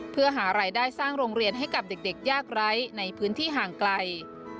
เพื่อหารายได้สร้างโรงเรียนให้กับเด็กยากไร้ในพื้นที่ห่างไกล